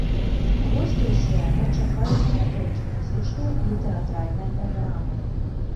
Госцяў свята чакаюць не толькі музычная і тэатральная праграмы.